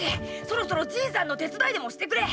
そろそろじいさんの手伝いでもしてくれ！